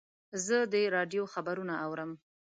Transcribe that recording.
زه د راډیو خبرونه اورم.